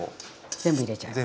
全部入れちゃいます。